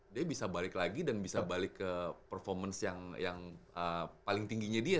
dia bisa balik lagi dan bisa balik ke performance yang paling tingginya dia